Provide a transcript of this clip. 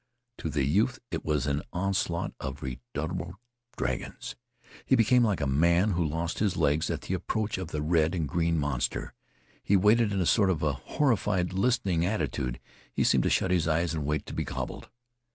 To the youth it was an onslaught of redoubtable dragons. He became like the man who lost his legs at the approach of the red and green monster. He waited in a sort of a horrified, listening attitude. He seemed to shut his eyes and wait to be gobbled.